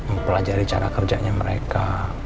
mempelajari cara kerjanya mereka